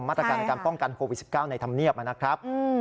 มาตรการในการป้องกันโควิด๑๙ในธรรมเนียบนะครับ